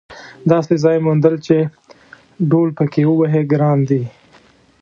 داسې ځای موندل چې ډهل پکې ووهې ګران دي.